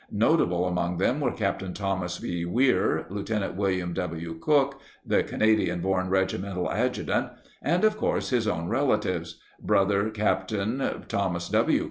Notable among them were Capt. Thomas B. Weir, Lt. Wil liam W. Cooke (the Canadian born regimental adju tant), and of course his own relatives: brother Capt. Thomas W.